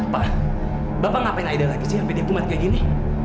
pak bapak ngapain aida lagi sih sampe dia kumat kayak gini